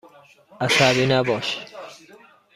عصبی نباش.